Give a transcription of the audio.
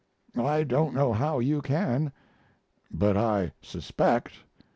I don't know how you can but I suspect.